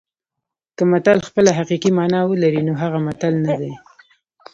که متل خپله حقیقي مانا ولري نو هغه متل نه دی